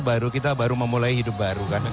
baru kita baru memulai hidup baru kan